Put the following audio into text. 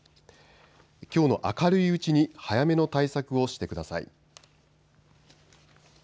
きょうの明るいうちに早めの対策をしてください。